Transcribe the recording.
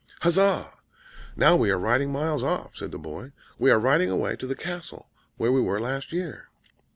"Huzza! Now we are riding miles off," said the boy. "We are riding away to the castle where we were last year!"